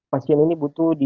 pasien ini butuh di